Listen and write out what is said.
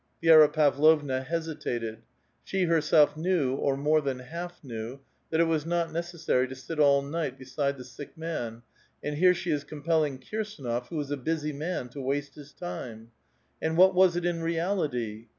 '* Vi^ra Pavlovna hesitated; she herself knew, or more tliiin half knew, that it was not necessary to sit all night beside the sick man, and here she is compelling Kirsdnof, who is a busy man, to waste his time. And what was it in reality